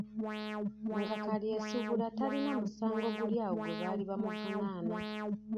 Nga Kalyesuubula talina musango guli awo gwe baali bamuvunaana.